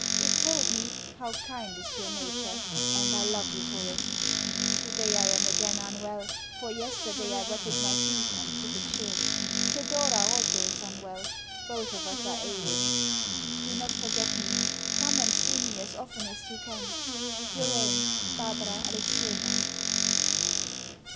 It told me how kind is your nature, and I love you for it. Today I am again unwell, for yesterday I wetted my feet, and took a chill. Thedora also is unwell; both of us are ailing. Do not forget me. Come and see me as often as you can. Your own, BARBARA ALEXIEVNA.